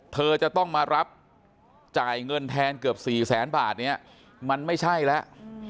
เธอจะต้องมารับจ่ายเงินแทนเกือบ๔แสนบาทเนี่ยมันไม่ใช่แล้ว